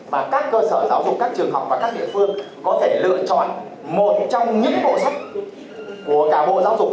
và các cơ sở giáo dục các trường học và các địa phương có thể lựa chọn một trong những bộ sách của cả bộ giáo dục